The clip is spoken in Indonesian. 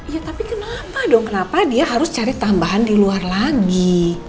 ya tapi kenapa dong kenapa dia harus cari tambahan di luar lagi